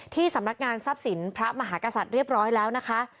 ที่สำนักงานทรัพย์สินพระมหากษัตริย์เรียบร้อยแล้วนะคะ